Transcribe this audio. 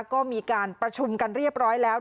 ก็มีการประชุมกันเรียบร้อยแล้ว